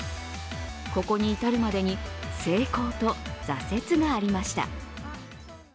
ここに至るまでに成功と挫折がありました。